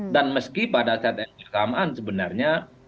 dan meski pada saat kesamaan sebenarnya